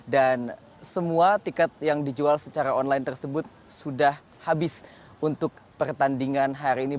dan semua tiket yang dijual secara online tersebut sudah habis untuk pertandingan hari ini